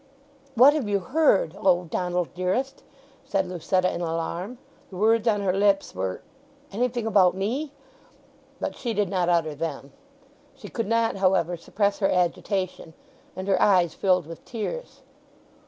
"What have you heard—O Donald, dearest?" said Lucetta in alarm. The words on her lips were "anything about me?"—but she did not utter them. She could not, however, suppress her agitation, and her eyes filled with tears.